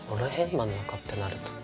真ん中ってなると。